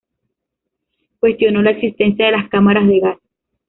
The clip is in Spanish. Cuestionó la existencia de las cámaras de gas.